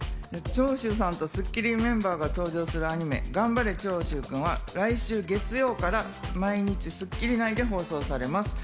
長州さんと『スッキリ』メンバーが登場するアニメ『がんばれ！長州くん』は来週月曜から毎日『スッキリ』内で放送されます。